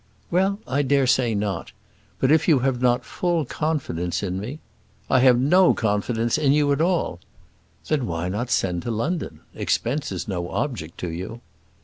"Well I dare say not. But if you have not full confidence in me " "I have no confidence in you at all." "Then why not send to London? Expense is no object to you."